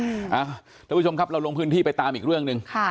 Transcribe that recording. ท่านผู้ชมครับเราลงพื้นที่ไปตามอีกเรื่องหนึ่ง